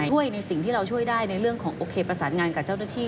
ในสิ่งที่เราช่วยได้ในเรื่องของโอเคประสานงานกับเจ้าหน้าที่